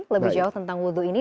lebih jauh tentang wudhu ini